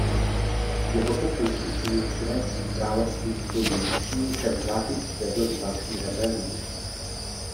Jeho pokus učinit švédský královský titul dědičným však vzápětí vedl k další rebelii.